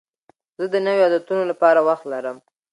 زه د نویو عادتونو لپاره وخت لرم.